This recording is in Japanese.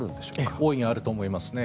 大いにあると思いますね。